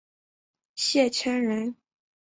谢迁人。